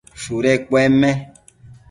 shudu cuenme